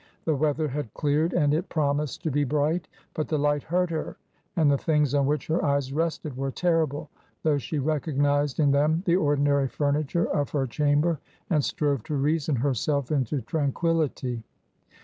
The weather had cleared and it promised to be bright. But the light hurt her and the things on which her eyes rested were terrible, though she recognised in them the ordinary furniture of her chamber and strove to reason herself into tranquillity.